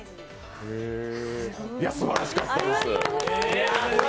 すばらしかったです。